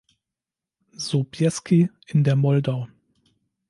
Sobieski in der Moldau.